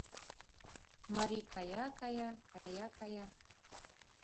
Марий кая-кая, кая-кая...